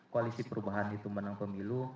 koalisi perubahan itu menang pemilu